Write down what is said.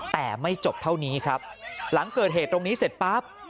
แต่ไม่จบเท่านี้ครับหลังเกิดเหตุตรงนี้เสร็จปั๊บ